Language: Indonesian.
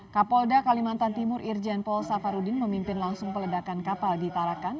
kapolda kalimantan timur irjen paul safarudin memimpin langsung peledakan kapal di tarakan